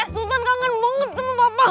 sultan kangen banget sama papa